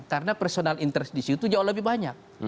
karena personal interest di situ jauh lebih banyak